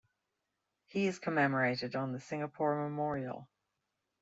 He is commemorated on the Singapore Memorial.